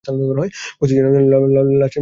OC জানান, লাশের মুখে বিষের গন্ধ রয়েছে।